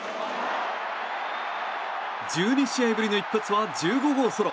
１２試合ぶりの一発は１５号ソロ。